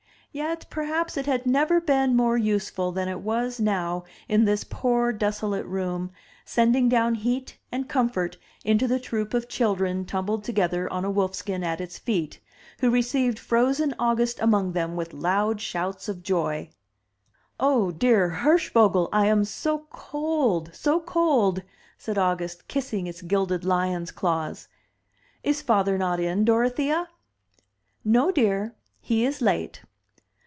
Yet perhaps it had never been more useful than it was now in this poor desolate room, sending down heat and comfort into the troop of children tumbled together on a wolf skin at its feet, who re ceived frozen August among them with loud shouts of joy. "Oh, dear Hirchvogel, I am so cold, so cold!" said August, kissing its gilded lion's claws. *'Is father not in, Dorothea?" "No, dear. He is late."